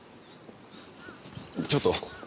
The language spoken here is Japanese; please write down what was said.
ちょっと。